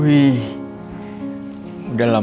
udah lama sekali